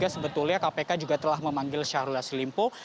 sebetulnya kpk juga telah memanggil syahrul yassin limpo